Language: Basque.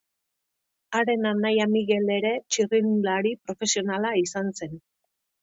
Haren anaia Miguel ere txirrindulari profesionala izan zen.